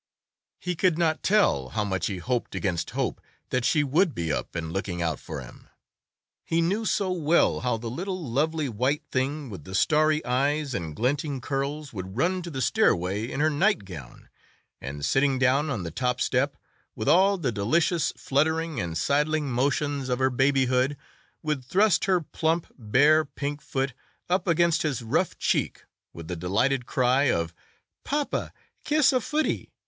He could not tell how much he hoped against hope that she would be up and looking out for him. He knew so well how the little lovely white thing with the starry eyes and glinting curls would run to the stairway in her nightgown, and sitting down on the top step with all the delicious fluttering and sidling motions of her babyhood, would thrust her plump, bare pink foot up against his rough cheek with the delighted cry of, "Pa pa, kiss a footie!